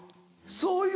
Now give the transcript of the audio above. そうそう。